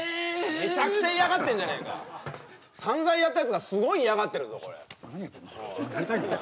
メチャクチャ嫌がってんじゃねえか散々やったやつがすごい嫌がってるぞこれ何言ってんだやりたいんだろ？